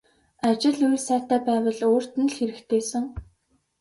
Ажил үйл сайтай байвал өөрт нь л хэрэгтэйсэн.